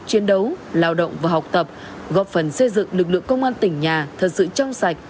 chiến đấu lao động và học tập góp phần xây dựng lực lượng công an tỉnh nhà thật sự trong sạch